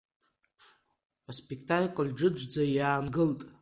Аспектакль џыџӡа иаангылт.